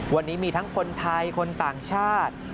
วันนี้มีทั้งคนไทยคนต่างชาติ